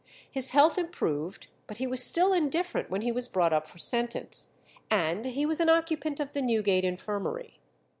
His health improved, but was still indifferent when he was brought up for sentence, and he was an occupant of the Newgate infirmary.